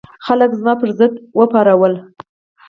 خلک زما پر ضد وپارول.